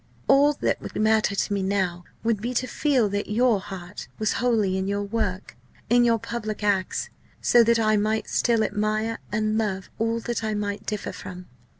All that would matter to me now would be to feel that your heart was wholly in your work, in your public acts, so that I might still admire and love all that I might differ from.